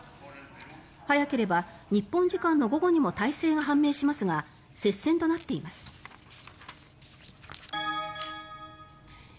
早ければ日本時間の午後にも大勢が判明しますが接戦となっています。